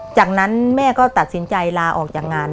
จากนั้นแม่ก็ตัดสินใจลาออกจากงาน